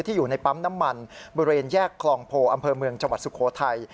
อยู่ในปั๊มน้ำมันบริเวณแยกคลองโพอำเภอเมืองจังหวัดสุโขทัย